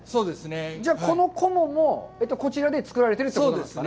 じゃあ、この菰もこちらで作られているということですね。